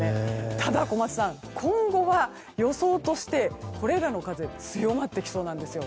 ただ、小松さん今後は予想として風が強まってきそうなんですよ。